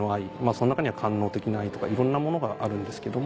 その中には官能的な愛とかいろんなものがあるんですけども。